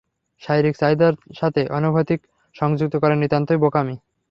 শারীরিক চাহিদার সাথে অনুভূতিকে সংযুক্ত করা নিতান্তই বোকামি।